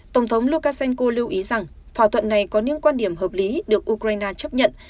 tổng thống lukashenko lưu ý rằng thỏa thuận này có những quan điểm hợp lý được ukraine chấp nhận